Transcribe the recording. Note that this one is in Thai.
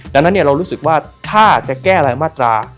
ดังนั้นเรารู้สึกว่าถ้าจะแก้รายมาตรา